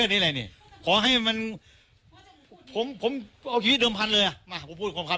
นี่แหละนี่ขอให้มันผมผมเอาชีวิตเดิมพันเลยอ่ะมาผมพูดของเขา